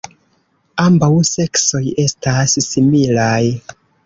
Ambaŭ seksoj estas similaj.